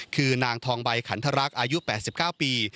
คือนางทองใบขันทรรักษ์อายุ๘๙ปี